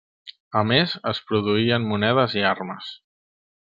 A més es produïen monedes i armes.